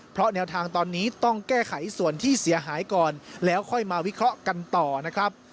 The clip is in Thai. เพราะแนวทางตอนนี้ต้องแก้ไขส่วนที่เสียหายก่อนแล้วค่อยมาวิเคราะห์กันต่อนะครับ